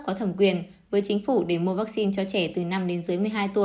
có thẩm quyền với chính phủ để mua vaccine cho trẻ từ năm đến dưới một mươi hai tuổi